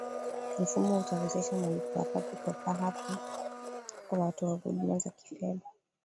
mfumo utawezesha malipo ya papo kwa hapo kwa watoa huduma za kifedha